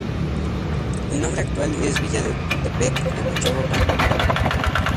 El nombre actual es Villa de Tututepec de Melchor Ocampo.